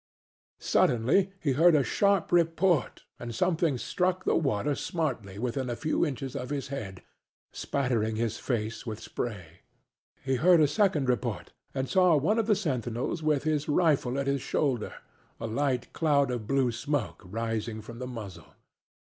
Suddenly he heard a sharp report and something struck the water smartly within a few inches of his head, spattering his face with spray. He heard a second report, and saw one of the sentinels with his rifle at his shoulder, a light cloud of blue smoke rising from the muzzle.